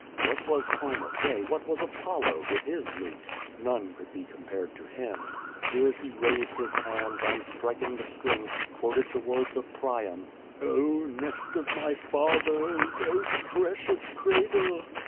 What wa? Homer, yea, what was Apollo, with his lute? None could be compared to him. Here he raised his hands and striking the strings he quoted the words of Priam: * Oh nest of my fathers. Oh precious cradle!"